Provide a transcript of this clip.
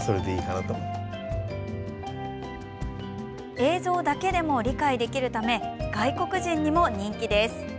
映像だけでも理解できるため外国人にも人気です。